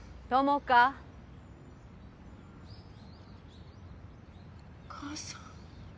お母さん。